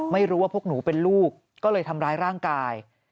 ไม่รู้ว่าพวกหนูเป็นลูกก็เลยทำร้ายร่างกาย